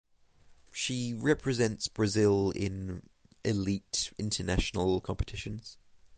She represents Brazil in elite international competitions.